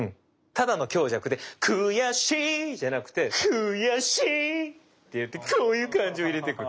ただの強弱でくやしいじゃなくてくぅやしいって言ってこういう感じを入れてくる。